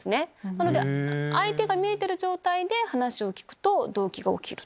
なので相手が見えてる状態で話を聞くと同期が起きる。